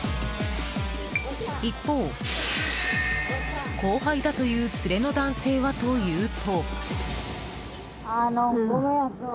一方、後輩だという連れの男性はというと。